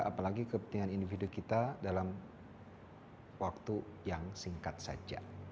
apalagi kepentingan individu kita dalam waktu yang singkat saja